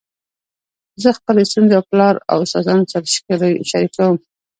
زه خپلي ستونزي له پلار او استادانو سره شریکوم.